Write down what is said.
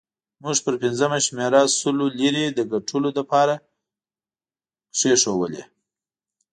موږ پر پنځمه شمېره سلو لیرې د ګټلو لپاره کېښودې.